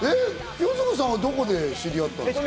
清塚さんはどこで知り合ったんですか？